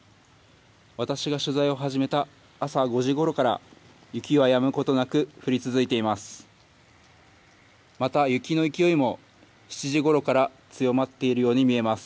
私が取材を始めた朝５時ごろから、雪はやむことなく、降り続いています。